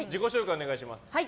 お願いします。